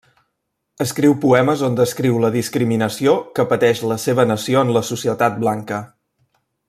Escriu poemes on descriu la discriminació que pateix la seva nació en la societat blanca.